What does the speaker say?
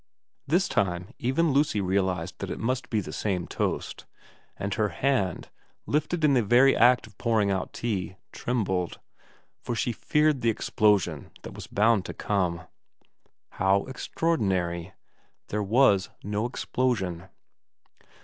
This time even Lucy realised that it must be the same toast, and her hand, lifted in the act of pouring out tea, trembled, for she feared the explosion that was bound to come. How extraordinary. There was no explosion.